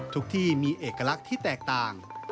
ที่มีเอกลักษณ์ที่แตกต่าง